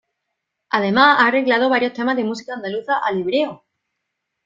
Además ha arreglado varios temas de música andaluza al hebreo.